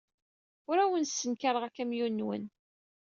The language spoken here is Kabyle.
Ur awen-ssenkareɣ akamyun-nwen.